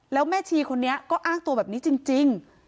แล้วแม่ชีคนนี้ก็อ้างตัวแบบนี้จริง